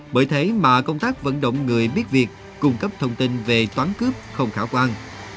bởi thế mà công tác vận động người biết việc cung cấp thông tin về toán cướp không khả quan